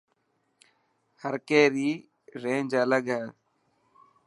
هر ڪي ري رينج الگ هي.